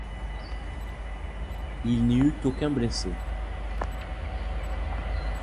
Il n'y eut aucun blessé.